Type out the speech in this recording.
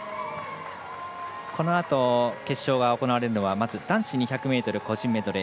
このあと、決勝が行われるのはまず男子２００ｍ個人メドレー